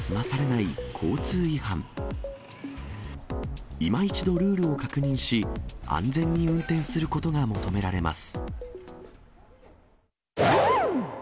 いま一度ルールを確認し、安全に運転することが求められます。